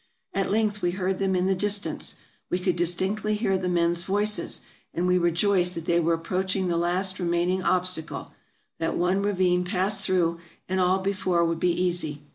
At length we heard them in the distance. We could distinctly hear the men's voices, and we rejoiced that they were approaching the last remaining obstacle ; that one ravine passed through, and all before would be easy.